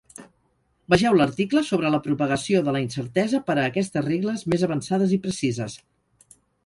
Vegeu l'article sobre la propagació de la incertesa per a aquestes regles més avançades i precises.